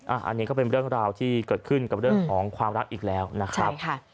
อันนี้ก็เป็นเรื่องราวที่เกิดขึ้นกับเรื่องของความรักอีกแล้วนะครับ